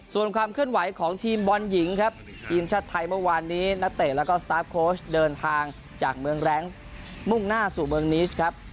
ส่วนความเคลื่อนไหวของทีมบอลหญิงครับทีมชาติไทยเมื่อวานนี้นักเตะแล้วก็สตาร์ฟโค้ชเดินทางจากเมืองแรงซ์มุ่งหน้าสู่เมืองนิสครับ